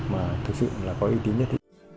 mà thực sự là có uy tín nhất